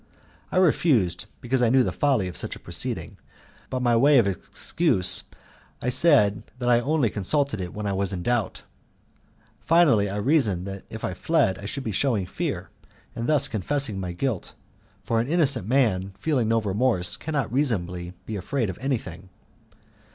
I refused because I knew the folly of such a proceeding, but by way of excuse I said that I only consulted it when I was in doubt. Finally, I reasoned that if I fled I should be shewing fear, and thus confessing my guilt, for an innocent man, feeling no remorse, cannot reasonably be afraid of anything.